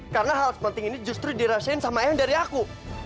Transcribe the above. karena hal sepenting ini justru dirasain sama ayah dari aku